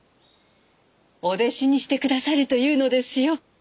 お弟子にしてくださると言うのですよ。